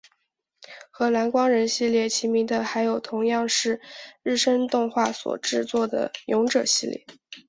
和蓝光人系列齐名的还有同样是日升动画所制作的勇者系列。